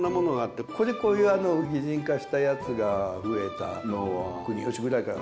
これこういう擬人化したやつが増えたのは国芳ぐらいから？